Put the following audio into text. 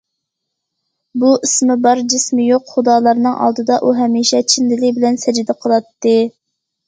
بۇ ئىسمى بار جىسمى يوق خۇدالارنىڭ ئالدىدا ئۇ ھەمىشە چىن دىلى بىلەن سەجدە قىلاتتى.